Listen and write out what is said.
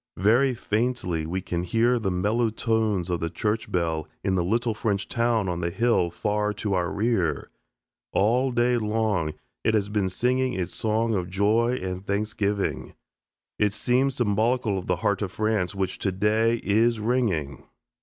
Very faintly we can hear the mellow tones of the church bell in the little French town on the hill far to our rear. All day long it has been singing its song of joy and thanksgiving. It seems symbolical of the heart of France, which, today, is ringing.